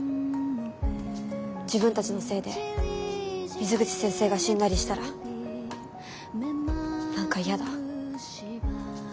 自分たちのせいで水口先生が死んだりしたら何か嫌だ。